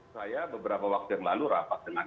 saya beberapa waktu yang lalu rapat dengan